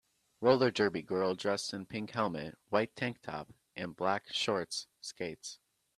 Roller derby girl dressed in pink helmet, white tank top, and black shorts skates.